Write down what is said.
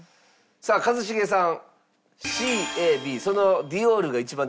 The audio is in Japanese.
さあ一茂さん。